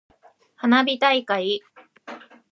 花火大会。